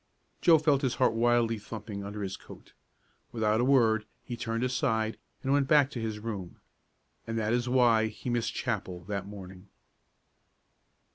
Joe felt his heart wildly thumping under his coat. Without a word he turned aside and went back to his room. And that is why he missed chapel that morning.